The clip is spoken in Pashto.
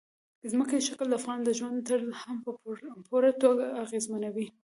ځمکنی شکل د افغانانو د ژوند طرز هم په پوره توګه اغېزمنوي.